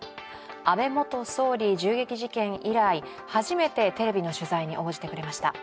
安倍元総理銃撃事件以来初めてテレビの取材に応じてくれました。